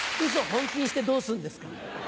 本気にしてどうすんですか。